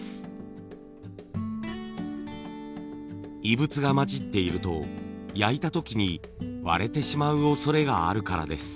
異物が混じっていると焼いた時に割れてしまうおそれがあるからです。